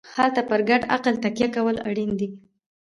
هلته پر ګډ عقل تکیه کول اړین دي.